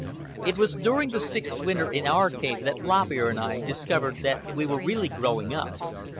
It was during the sixth winter in our cave that Lop Ear and I discovered that we were really growing up.